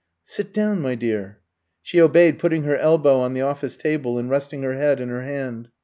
"Sit down, my dear." She obeyed, putting her elbow on the office table and resting her head in her hand.